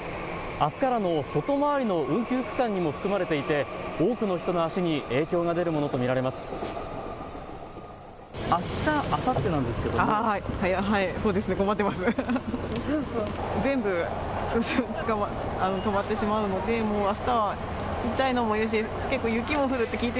あすからの外回りの運休区間にも含まれていて多くの人の足に影響が出るものと見られます。